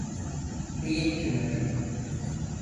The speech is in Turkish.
Beyin tümörü.